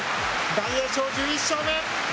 大栄翔、１１勝目。